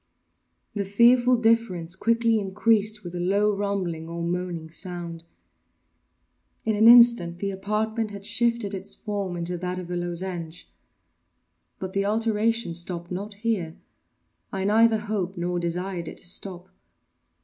The fearful difference quickly increased with a low rumbling or moaning sound. In an instant the apartment had shifted its form into that of a lozenge. But the alteration stopped not here—I neither hoped nor desired it to stop.